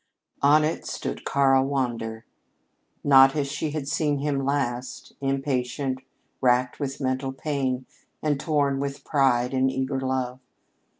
On it stood Karl Wander, not as she had seen him last, impatient, racked with mental pain, and torn with pride and eager love.